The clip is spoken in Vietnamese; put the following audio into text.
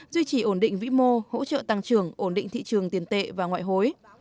duy trì ổn định vĩ mô hỗ trợ tăng trưởng ổn định thị trường tiền tệ và ngoại hối